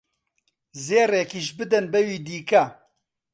زێڕێکیش بدەن بەوی دیکە